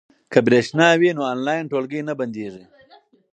که برېښنا وي نو آنلاین ټولګی نه بندیږي.